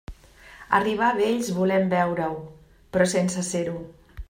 Arribar a vells volem veure-ho, però sense ser-ho.